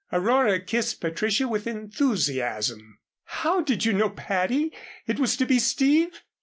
Aurora kissed Patricia with enthusiasm. "How did you know, Patty, it was to be Steve?"